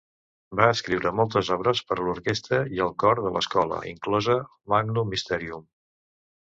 Va escriure moltes obres per a l'orquestra i el cor de l'escola, inclosa "O Magnum Mysterium".